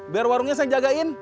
biar warungnya saya jagain